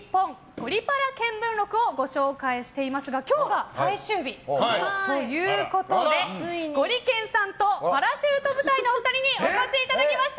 「ゴリパラ見聞録」をご紹介していますが今日が最終日ということでゴリけんさんとパラシュート部隊の２人にお越しいただきました！